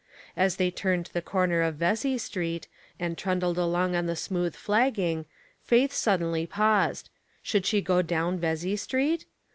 As the}^ turned the corner of Vesey Street, and trundled along on the smooth flagging. Faith suddenly paused. Should she go down Vesey Street?